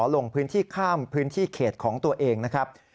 ลงพื้นที่ข้ามพื้นที่เขตของตัวเองนะครับ